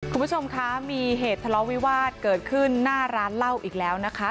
คุณผู้ชมนะครับมีเกิดถลอวิวาตเกิดขึ้นหน้าร้านเหล้าแล้วอยู่แล้วนะคะ